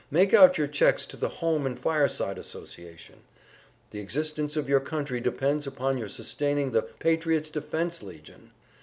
Make out your checks to the Home and Fireside Association. The existence of your country depends upon your sustaining the Patriot's Defense Legion."